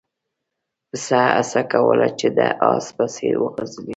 پسه هڅه کوله چې د اس په څېر وځغلي.